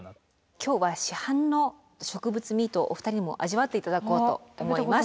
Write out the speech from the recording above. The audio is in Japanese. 今日は市販の植物ミートをお二人にも味わって頂こうと思います。